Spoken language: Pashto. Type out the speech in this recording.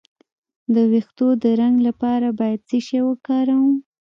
د ویښتو د رنګ لپاره باید څه شی وکاروم؟